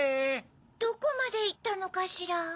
どこまでいったのかしら？